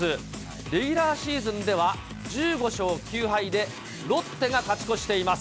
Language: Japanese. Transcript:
レギュラーシーズンでは、１５勝９敗で、ロッテが勝ち越しています。